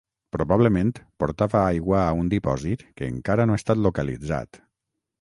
Probablement, portava aigua a un dipòsit que encara no ha estat localitzat.